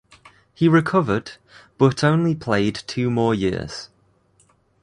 He recovered, but only played two more years.